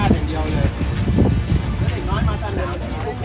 รถแข่งสนในกระบะมันไม่เข้าหมด